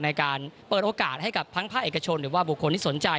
ในการเปิดโอกาสให้กับทั้งภาคเอกชนหรือว่าบุคคลที่สนใจ